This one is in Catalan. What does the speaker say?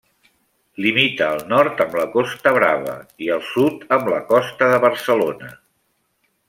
Limita al nord amb la Costa Brava i al sud amb la Costa de Barcelona.